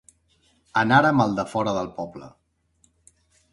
Anàrem al defora del poble.